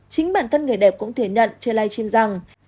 chính bản thân người đẹp cũng thể nhận chơi live stream rằng